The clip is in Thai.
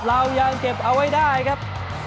เรายังเก็บเอาไว้ได้ครับ